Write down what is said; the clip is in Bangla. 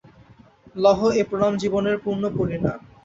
লহো এ প্রণাম জীবনের পূর্ণপরিণাম।